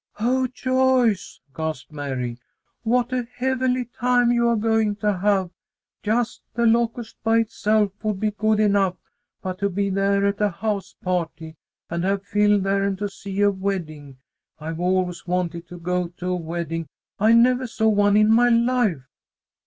"Oh, Joyce!" gasped Mary. "What a heavenly time you are going to have! Just The Locusts by itself would be good enough, but to be there at a house party, and have Phil there and to see a wedding! I've always wanted to go to a wedding. I never saw one in my life."